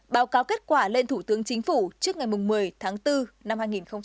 báo cáo kết quả lên thủ tướng chính phủ trước ngày một mươi tháng bốn năm hai nghìn hai mươi